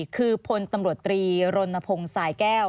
คือพลตำรวจตรีรณพงศ์สายแก้ว